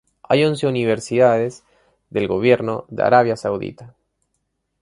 Hay once universidades del gobierno en Arabia Saudita